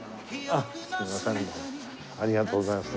ありがとうございます。